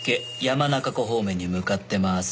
山中湖方面に向かってます。